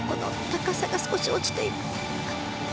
高さが少し落ちている。